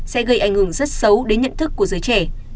sẽ gây ảnh hưởng rất xấu đến nhận thức của giới trẻ